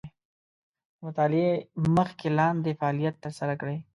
د مطالعې مخکې لاندې فعالیت تر سره کړئ.